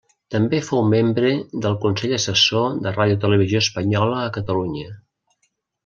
També fou membre del Consell Assessor de Radiotelevisió Espanyola a Catalunya.